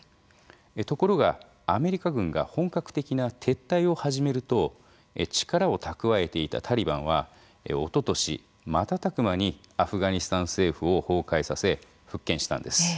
ところがアメリカ軍が本格的な撤退を始めると力を蓄えていたタリバンはおととし瞬く間にアフガニスタン政府を崩壊させ復権したんです。